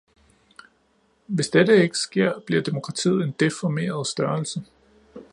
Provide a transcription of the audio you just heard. Hvis dette ikke sker, bliver demokratiet en deformeret størrelse.